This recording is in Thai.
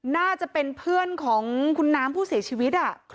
น่าจะเป็นเพื่อนของคุณน้ำผู้เสียชีวิต